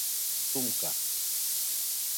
Сумка!